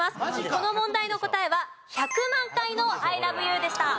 この問題の答えは『１００万回の「Ｉｌｏｖｅｙｏｕ」』でした。